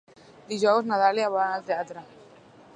Dijous na Dàlia vol anar al teatre.